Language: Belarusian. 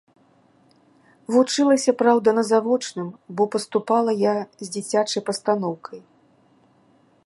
Вучылася, праўда, на завочным, бо паступала я з дзіцячай пастаноўкай.